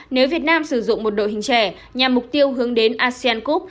nếu việt nam sử dụng một đội hình trẻ nhằm mục tiêu hướng đến asean cup